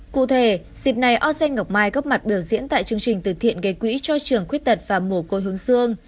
cụ thể dịp này âu xanh ngọc mai góp mặt biểu diễn tại chương trình từ thiện gây quỹ cho trường khuyết tật và mùa côi hướng xương